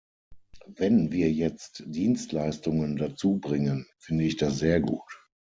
Wenn wir jetzt Dienstleistungen dazu bringen, finde ich das sehr gut.